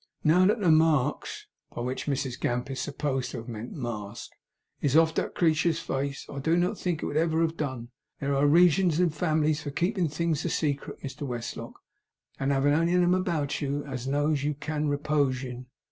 'Now that the marks,' by which Mrs Gamp is supposed to have meant mask, 'is off that creetur's face, I do not think it ever would have done. There are reagions in families for keeping things a secret, Mr Westlock, and havin' only them about you as you knows you can repoge in.